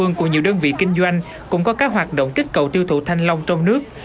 vườn của nhiều đơn vị kinh doanh cũng có các hoạt động kích cầu tiêu thụ thanh long trong nước